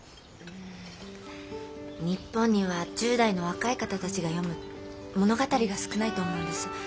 日本には１０代の若い方たちが読む物語が少ないと思うんです。